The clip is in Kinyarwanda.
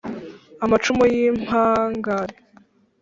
Amacumu y’impangare